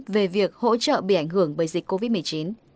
về việc hỗ trợ bị ảnh hưởng bởi dịch covid một mươi chín